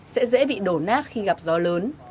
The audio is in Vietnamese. sẽ dễ bị đổ nát khi gặp gió lớn